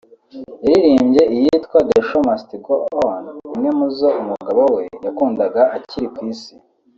yaririmbye iyitwa “The Show Must Go On” imwe mu zo umugabo we yakundaga akiri ku Isi